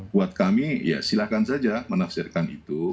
buat kami ya silakan saja menafsirkan itu